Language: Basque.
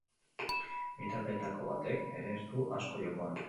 Bi taldeetako batek ere ez du asko jokoan.